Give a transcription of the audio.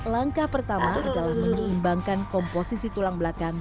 langkah pertama adalah mencari kondisi tulang belakang